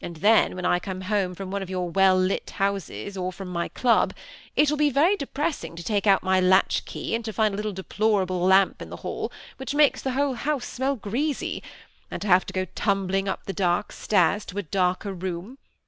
then, when I oome home from one of your well lit houses, or from my club, it will be very depressing to take out my lat«h key, and to find a deplorable little lamp in the hall, which makes the whole house smell greasy ; and to have to go tumbling up the dark stairs, to a darker room.